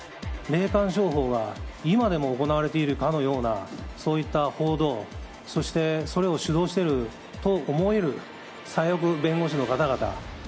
霊感商法が今でも行われているかのような、そういった報道、そしてそれを主導してると思える左翼弁護士の方々。